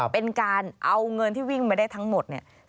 เป็นการเอาเงินที่วิ่งมาได้ทั้งหมดเนี่ย